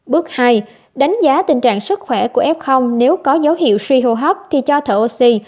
bước hai đánh giá tình trạng sức khỏe của f nếu có dấu hiệu suy hô hấp thì cho thở oxy